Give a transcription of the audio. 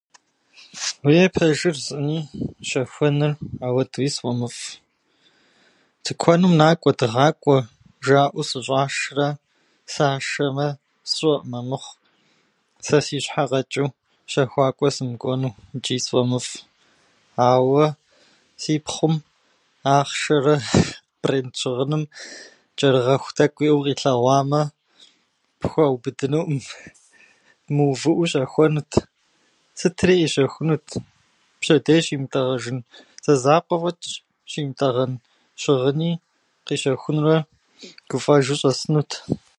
Уей, пэжыр жысӏэни, щэхуэныр ауэдууи сфӏэмыфӏ. Тыкуэным накӏуэ, дыгъакӏуэ жаӏэу сыщӏашрэ, сашэмэ, сщӏэӏым амыхъу, сэ си щхьэ къэчӏу щэхуакӏуэ сымыкӏуэну ичӏи сфӏэмыфӏ. Ауэ си пхъум ахъшэрэ бренд щыгъыным чӏэрыгъэху тӏэкӏу иӏэу къилъэгъуамэ, пхуэубыдынуӏым, мыувыӏэу щэхуэнут, сытри къищэхунут. Пщэдей щимытӏэгъэжын, зэзакъуэ фӏэчӏ щимытӏэгъэн щыгъыни къищэхунурэ гуфӏэжу щӏэсынут.